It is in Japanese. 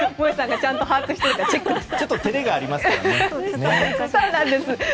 ちょっと照れがありましたよね。